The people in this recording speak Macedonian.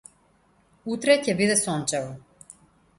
Утре ќе биде сончево.